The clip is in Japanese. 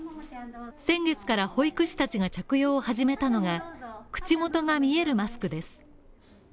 先月から保育士たちが着用を始めたのが、口元が見えるマスクです。